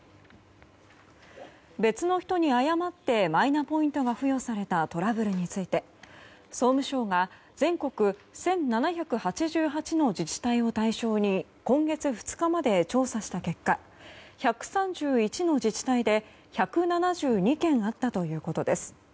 別の人に誤ってマイナポイントが付与されたトラブルについて、総務省が全国１７８８の自治体を対象に今月２日まで調査した結果１３１の自治体で１７２件あったということです。